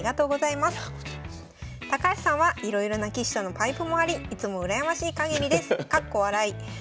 「高橋さんはいろいろな棋士とのパイプもありいつも羨ましいかぎりです。